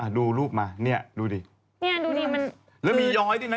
ดูรูปมาเนี่ยดูดิเนี่ยดูดิมันแล้วมีย้อยด้วยนะ